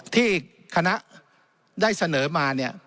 ที่คณะได้เสนอมา